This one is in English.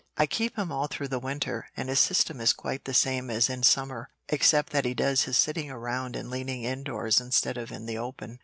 I keep him all through the winter, and his system is quite the same then as in summer, except that he does his sitting around and leaning indoors instead of in the open."